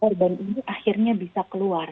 korban ini akhirnya bisa keluar